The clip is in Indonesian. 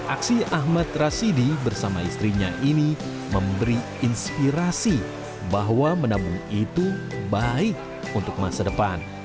aksi ahmad rasidi bersama istrinya ini memberi inspirasi bahwa menabung itu baik untuk masa depan